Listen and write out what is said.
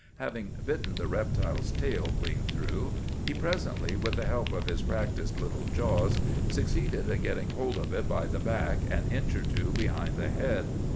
Having bitten the reptile's tail clean through, he presently, with the help of his practised little jaws, succeeded in getting hold of it by the back, an inch or two behind the head.